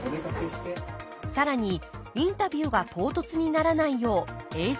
更にインタビューが唐突にならないよう映像を追加。